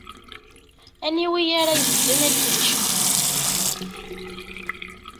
Aniwi ara ibedden i leqdic-nni?